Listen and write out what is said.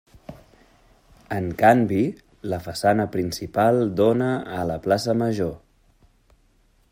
En canvi, la façana principal dóna a la Plaça Major.